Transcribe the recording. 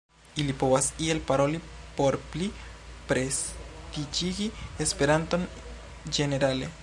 Ili povas iel paroli por pli prestiĝigi esperanton ĝenerale.